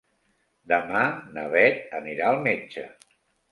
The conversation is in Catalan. Demà na Bet anirà al metge.